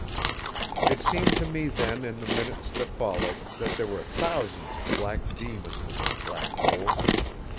It seemed to me then in the minutes that followed that there were thousands of black demons in that black hole.